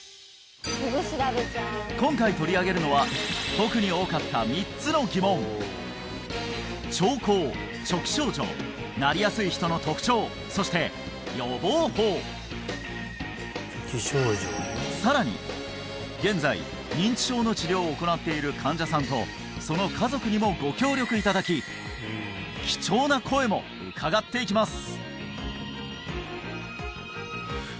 今回取り上げるのは特に多かった３つの疑問さらに現在認知症の治療を行っている患者さんとその家族にもご協力いただき貴重な声も伺っていきます